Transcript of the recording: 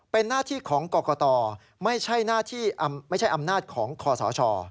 เป็นหน้าที่ของกรกตไม่ใช่อำนาจของขอสช